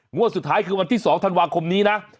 งวดสุดท้ายคือวันที่๒ธันวาคมนี้นะ